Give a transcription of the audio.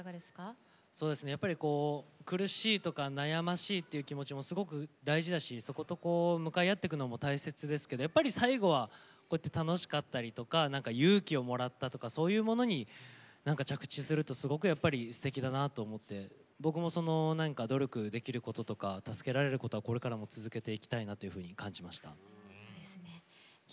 苦しいとか悩ましいって気持ちとかも大事だしそこと、向かい合っていくのも大切ですけれどもやっぱり最後は楽しかったりとか勇気をもらったとかそういうものに着地するとすごくすてきだなと思って僕も努力できることとか助けられることはこれからも続けていきたいなと感じました。